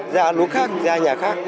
ra ăn uống khác ra nhà khác